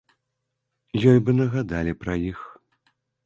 Ёй бы нагадалі пра іх!